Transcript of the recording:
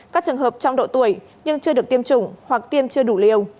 các trường hợp trong độ tuổi nhưng chưa được tiêm chủng hoặc tiêm chưa đủ liều